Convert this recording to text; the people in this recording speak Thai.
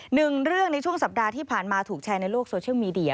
หนึ่งเรื่องในช่วงสัปดาห์ที่ผ่านมาถูกแชร์ในโลกโซเชียลมีเดีย